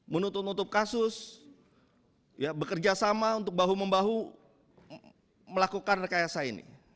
menutup nutup kasus bekerja sama untuk bahu membahu melakukan rekayasa ini